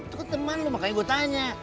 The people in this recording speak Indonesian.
itu kan teman lu makanya gue tanya